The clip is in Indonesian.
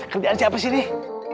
kebiasaan siapa sih nih